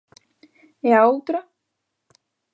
¿E a outra?